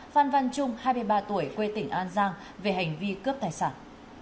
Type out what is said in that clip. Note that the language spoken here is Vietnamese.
phan văn trung hai mươi ba tuổi quê tỉnh an giang về hành vi cướp tài sản